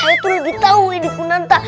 saya tuh lebih tahu ini pun entah